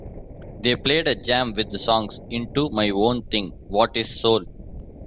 They played a jam with songs "Into My Own Thing", "What Is Soul?